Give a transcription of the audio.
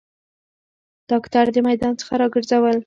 داکتر د میدان څخه راګرځول